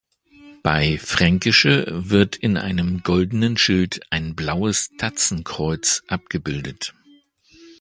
Bei "Fränkische" wird in einem goldenen Schild ein blaues Tatzenkreuz abgebildet.